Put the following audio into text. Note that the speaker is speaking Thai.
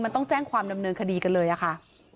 มันต้องแจ้งความดำเนินคดีกันเลยอะค่ะ